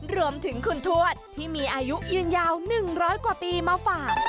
รวมถึงคุณทวดที่มีอายุยืนยาว๑๐๐กว่าปีมาฝาก